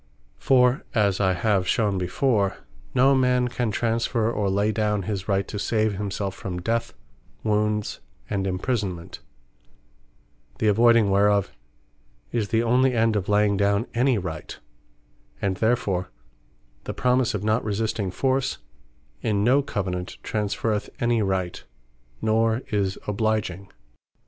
For (as I have shewed before) no man can transferre, or lay down his Right to save himselfe from Death, Wounds, and Imprisonment, (the avoyding whereof is the onely End of laying down any Right,) and therefore the promise of not resisting force, in no Covenant transferreth any right; nor is obliging.